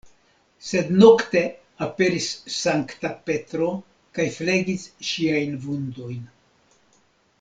Sed nokte aperis Sankta Petro kaj flegis ŝiajn vundojn.